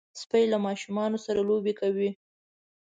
سپي له ماشومانو سره لوبې کوي.